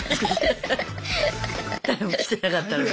って誰も来てなかったのに。